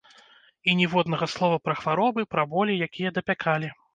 І ніводнага слова пра хваробы, пра болі, якія дапякалі.